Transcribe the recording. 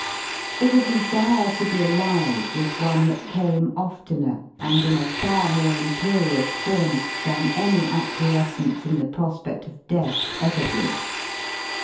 f|. But a desire to be alive was one that came oftener and in |1 a far more imperious form than any acquiescence in the 1 prospedl of death ever did.